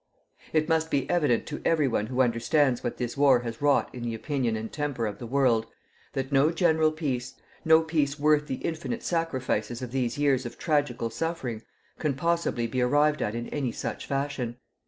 "It must be evident to everyone who understands what this war has wrought in the opinion and temper of the world that no general peace, no peace worth the infinite sacrifices of these years of tragical suffering, can possibly be arrived at in any such fashion.